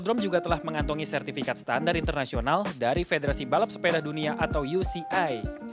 dan juga telah mengantongi sertifikat standar internasional dari federasi balap sepeda dunia atau uci